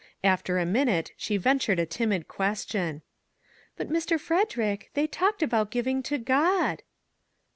After a minute she ventured a timid question :" But Mr. Frederick, they talked about giving to God."